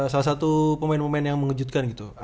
salah satu pemain pemain yang mengejutkan gitu